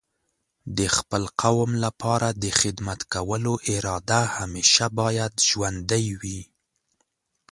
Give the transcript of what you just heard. د خپل قوم لپاره د خدمت کولو اراده همیشه باید ژوندۍ وي.